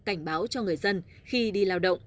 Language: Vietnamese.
cảnh báo cho người dân khi đi lao động